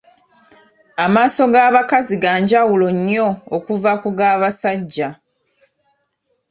Amaaso ga bakazi ga njawulo nnyo okuva ku ga basajja.